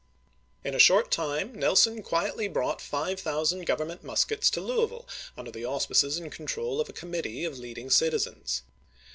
In a short time Nelson quietly brought five thou sand Government muskets to Louisville, under the auspices and control of a committee of leading citizens.